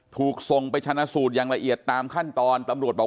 ถูกส่งไปชนะสูตรอย่างละเอียดตามขั้นตอนตำรวจบอก